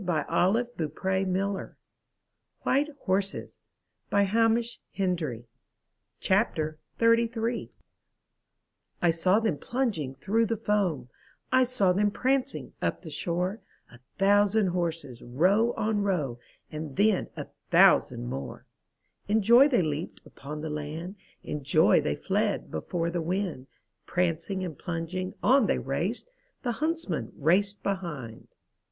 157 MY BOOK HOUSE WHITE HORSES Hamish Hendry I saw them plunging through the foam, I saw them prancing up the shore — A thousand horses, row on row, And then a thousand more! In joy they leaped upon the land, In joy they fled before the wind. Prancing and plunging on they raced, The huntsman raced behind.